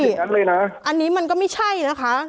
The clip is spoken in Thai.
ผมไม่ได้พูดอย่างนั้นเลยนะอันนี้มันก็ไม่ใช่นะคะ